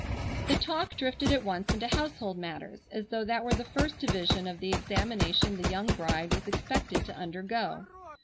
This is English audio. The talk drifted at once into household matters, as though that were the first division of the examination the young bride was expected to undergo.